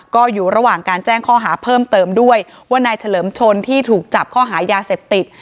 ก็อยู่ระหว่างการแจ้งข้อหาเพิ่มเติมด้วยว่านายเฉลิมชนที่ถูกจับข้อหายาเสพติด